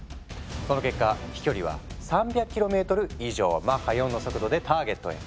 その結果飛距離は３００ｋｍ以上マッハ４の速度でターゲットへ。